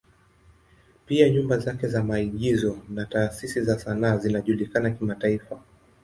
Pia nyumba zake za maigizo na taasisi za sanaa zinajulikana kimataifa.